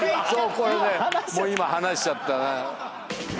これねもう今話しちゃったね。